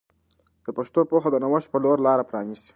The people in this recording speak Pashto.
د پښتو پوهه د نوښت په لور لاره پرانیسي.